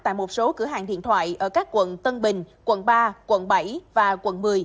tại một số cửa hàng điện thoại ở các quận tân bình quận ba quận bảy và quận một mươi